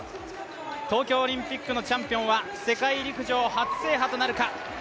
東京オリンピックのチャンピオンは世界陸上初制覇となるか。